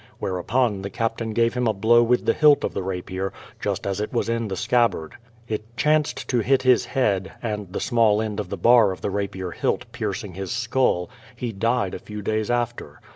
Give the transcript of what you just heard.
Whereupon the Captain gave him a blow with the hilt of the rapier, just as it was in the scabbard, It chanced to hit his head, and the small 338 THE PLYMOUTH SETTLEMENT 839 end of the bar of the rapier hilt piercing his skull, he died a few days after.